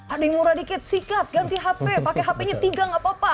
ada yang murah dikit sikat ganti hp pakai hp nya tiga nggak apa apa